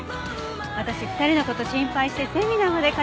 私２人の事心配してセミナーまで通ったんだからね。